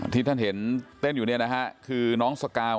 ที่ท่านเห็นเต้นอยู่เนี่ยนะฮะคือน้องสกาว